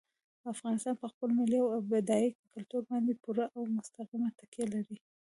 افغانستان په خپل ملي او بډایه کلتور باندې پوره او مستقیمه تکیه لري.